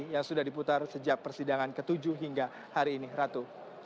yang sudah diputar sejak persidangan ke tujuh hingga hari ini ratu